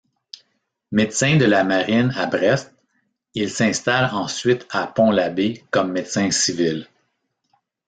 Médecin de la marine à Brest, il s'installe ensuite à Pont-l'Abbé comme médecin civil.